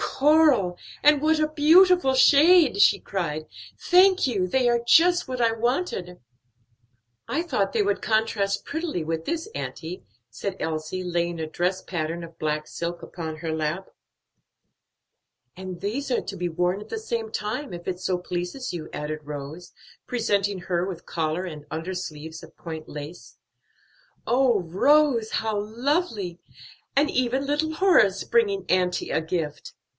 "Coral! and what a beautiful shade!" she cried. "Thank you; they are just what I wanted." "I thought they would contrast prettily with this, auntie," said Elsie, laying a dress pattern of black silk upon her lap. "And these are to be worn at the same time, if it so pleases you," added Rose, presenting her with collar and undersleeves of point lace. "Oh, Rose, how lovely! and even little Horace bringing auntie a gift!"